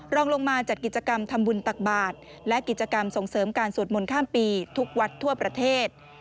รองลงมาจัดกิจกรรมทำบุญตักบาทและกิจกรรมส่งเสริมการสวดมนต์ข้ามปีทุกวัดทั่วประเทศ